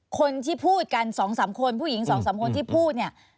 คนที่พูดกัน๒๓คนผู้หญิง๒๓คนที่พูดเนี่ย